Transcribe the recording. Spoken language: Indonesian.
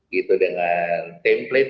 gitu dengan template